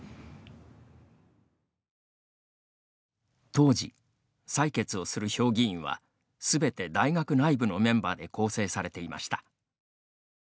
当時、採決をする評議員はすべて大学内部のメンバーで構成されていました。